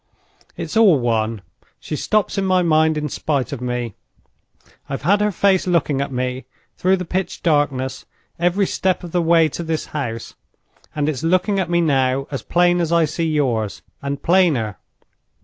It's all one; she stops in my mind in spite of me. I've had her face looking at me, through the pitch darkness, every step of the way to this house; and it's looking at me now—as plain as I see yours, and plainer."